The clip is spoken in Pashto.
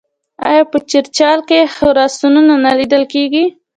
آیا په چرچیل کې خرسونه نه لیدل کیږي؟